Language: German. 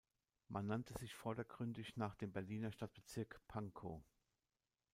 Man nannte sich vordergründig nach dem Berliner Stadtbezirk Pankow.